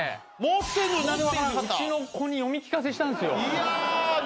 うちの子に読み聞かせしたんですよ。